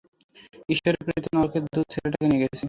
ঈশ্বরের প্রেরিত নরকের দূত ছেলেটাকে নিয়ে গেছে!